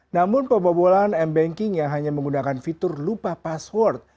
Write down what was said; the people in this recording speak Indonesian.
namun pembobolan m banking yang hanya menggunakan fitur lupa password